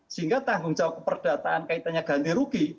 sehingga tanggung jawab keperdataan kaitannya ganti rugi